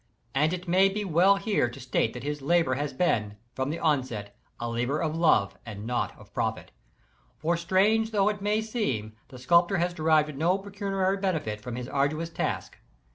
And it may be well here to state that his labor has been, from the outset, a labor of love and not of profit For strange though it may seem, the sculptor has derived no pecuniary benefit from his arduous task.